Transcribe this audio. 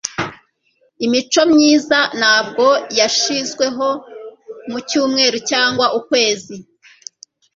imico myiza ntabwo yashizweho mu cyumweru cyangwa ukwezi